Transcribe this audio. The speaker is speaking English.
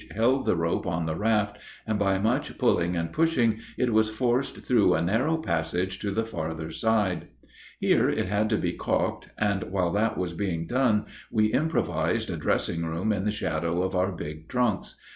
held the rope on the raft, and, by much pulling and pushing, it was forced through a narrow passage to the farther side. Here it had to be calked, and while that was being done we improvised a dressing room in the shadow of our big trunks.